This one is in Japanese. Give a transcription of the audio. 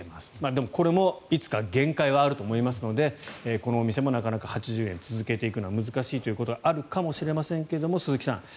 でもこれもいつか限界はあると思いますのでこのお店もなかなか８０円を続けていくのは難しいということはあるかもしれませんが鈴木さん